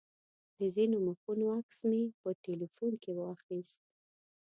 د ځینو مخونو عکس مې په تیلفون کې واخیست.